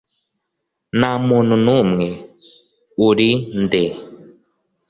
Nta muntu numwe Uri nde